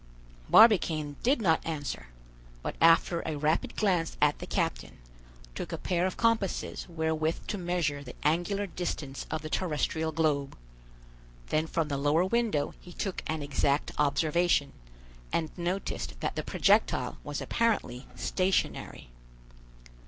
Barbicane did not answer, but after a rapid glance at the captain, took a pair of compasses wherewith to measure the angular distance of the terrestrial globe; then from the lower window he took an exact observation, and noticed that the projectile was apparently stationary.